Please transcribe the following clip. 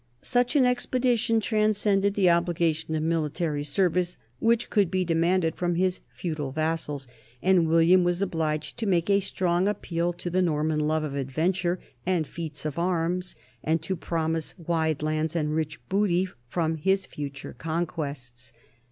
Such an ex pedition transcended the obligation of military service which could be demanded from his feudal vassals, and William was obliged to make a strong appeal to the Nor man love of adventure and feats of arms and to promise wide lands and rich booty from his future conquests.